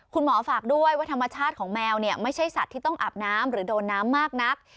ฝากด้วยว่าธรรมชาติของแมวเนี่ยไม่ใช่สัตว์ที่ต้องอาบน้ำหรือโดนน้ำมากนัก